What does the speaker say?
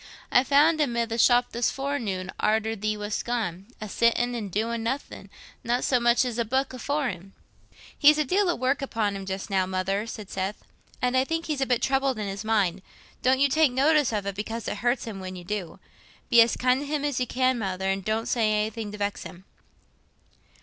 I found him i' the shop this forenoon, arter thee wast gone, a sittin' an' doin' nothin'—not so much as a booke afore him." "He's a deal o' work upon him just now, Mother," said Seth, "and I think he's a bit troubled in his mind. Don't you take notice of it, because it hurts him when you do. Be as kind to him as you can, Mother, and don't say anything to vex him."